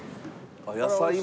野菜も。